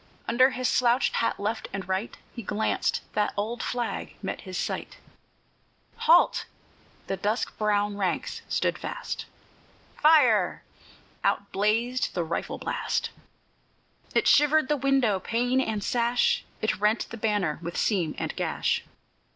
Under his slouched hat left and right He glanced; the old flag met his sight. "Halt!" the dust brown ranks stood fast. "Fire!" out blazed the rifle blast. It shivered the window, pane and sash; It rent the banner with seam and gash.